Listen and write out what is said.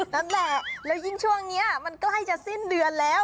นั่นแหละแล้วยิ่งช่วงนี้มันใกล้จะสิ้นเดือนแล้ว